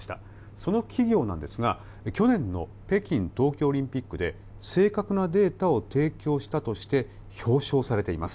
その企業なんですが去年の北京冬季オリンピックで正確なデータを提供したとして表彰されています。